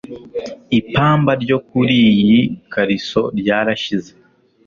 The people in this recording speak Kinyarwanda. Ipamba ryo kur’iyi kariso ryarashize